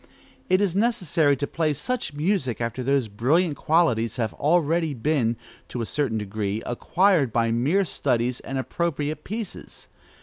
It is necessary to play such music after those brilliant qualities have already been, to a certain degree, acquired by mere studies and appropriate pieces.